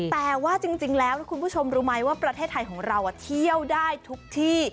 แต่ว่าจริงแล้วคุณผู้ชมรู้ไหมว่าประเทศไทยของเราเที่ยวได้ทุกที่